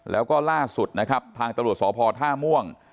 แล้วก็ล่าสุดนะครับทางตำรวจสพท่าม่วง